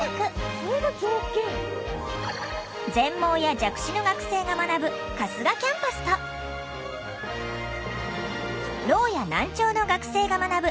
全盲や弱視の学生が学ぶ春日キャンパスとろうや難聴の学生が学ぶ